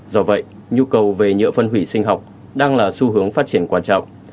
do vậy nhu cầu về nhựa phân hủy sinh học đang là xu hướng phát triển quan trọng